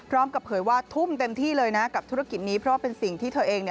เผยว่าทุ่มเต็มที่เลยนะกับธุรกิจนี้เพราะว่าเป็นสิ่งที่เธอเอง